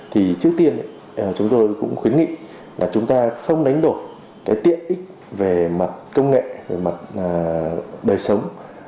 thì trước tiên chúng tôi cũng khuyến nghị là chúng ta không đánh đổi cái tiện ích về mặt công nghệ về mặt đời sống